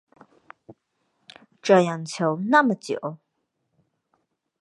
这样求那么久